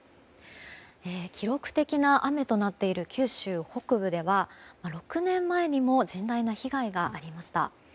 記録的な雨となっている九州北部では６年前にも甚大な被害がありました。